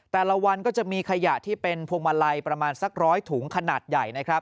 แต่ละวันก็จะมีขยะที่เป็นพวงมาลัยประมาณสักร้อยถุงขนาดใหญ่นะครับ